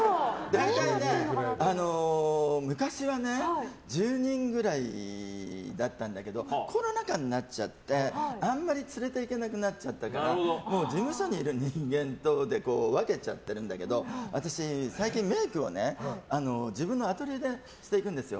大体ね、昔はね１０人くらいだったんだけどコロナ禍になっちゃってあまり連れていけなくなっちゃったからもう事務所にいる人間とで分けちゃってるんだけど私、最近メイクを自分のアトリエでしていくんですよ。